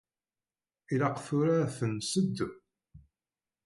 Ilaq tura ad ten-nseddu?